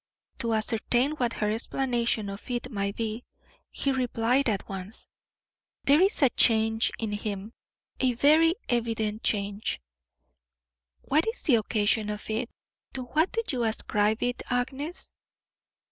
To ascertain what her explanation of it might be, he replied at once: "There is a change in him a very evident change. What is the occasion of it? To what do you ascribe it, Agnes?"